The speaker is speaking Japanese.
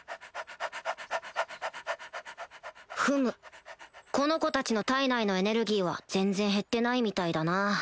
ふむこの子たちの体内のエネルギーは全然減ってないみたいだな